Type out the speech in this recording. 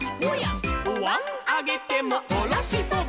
「おわんあげてもおろしそば」